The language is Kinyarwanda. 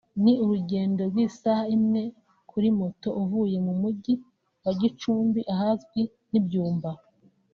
ni urugendo rw’isaha n’igice kuri moto uvuye mu Mujyi wa Gicumbi ahazwi nk’i Byumba